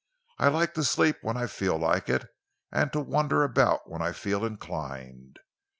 I like to sleep when I feel like it, and to wander about when I feel inclined.